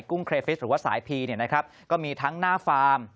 เครฟิศหรือว่าสายพีเนี่ยนะครับก็มีทั้งหน้าฟาร์ม